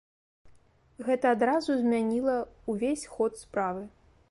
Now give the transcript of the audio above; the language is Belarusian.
Гэта адразу змяніла ўвесь ход справы.